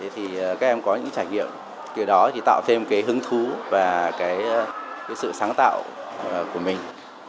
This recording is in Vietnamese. thì các em có những trải nghiệm từ đó thì tạo thêm cái hứng thú và sự sáng tạo của mình